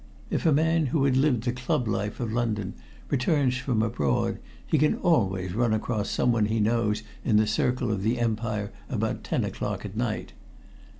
If a man who had lived the club life of London returns from abroad, he can always run across someone he knows in the circle of the Empire about ten o'clock at night.